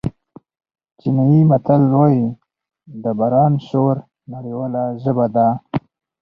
چینایي متل وایي د باران شور نړیواله ژبه ده.